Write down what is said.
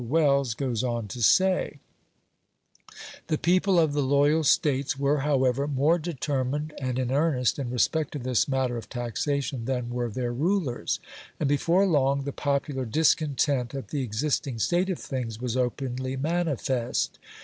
Wells goes on to say: "The people of the loyal States were, however, more determined and in earnest in respect to this matter of taxation than were their rulers; and before long the popular discontent at the existing state of things was openly manifest.